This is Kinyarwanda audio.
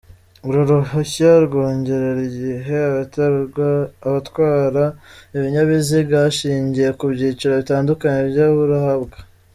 Uru ruhushya rwongerera igihe abatwara ibinyabiziga hashingiye ku byiciro bitandukanye by’abaruhabwa.